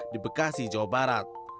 di bekasi jawa barat